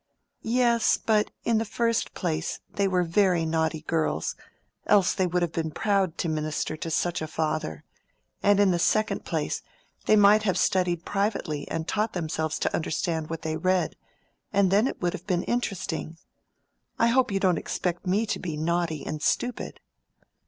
"Yes; but in the first place they were very naughty girls, else they would have been proud to minister to such a father; and in the second place they might have studied privately and taught themselves to understand what they read, and then it would have been interesting. I hope you don't expect me to be naughty and stupid?"